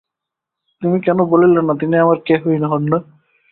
তুমি কেন বলিলে না, তিনি আমার কেহই হন না।